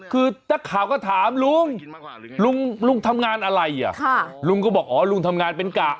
คือนักข่าวก็ถามลุงลุงทำงานอะไรอ่ะลุงก็บอกอ๋อลุงทำงานเป็นกะ